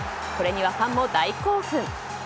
これにはファンも大興奮。